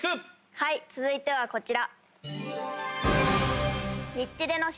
はい続いてはこちら。